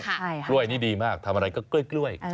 กล้วยนี่ดีมากทำอะไรก็กล้วย